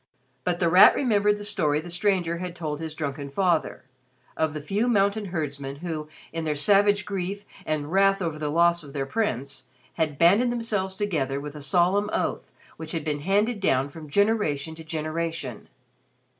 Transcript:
But The Rat remembered the story the stranger had told his drunken father, of the few mountain herdsmen who, in their savage grief and wrath over the loss of their prince, had banded themselves together with a solemn oath which had been handed down from generation to generation.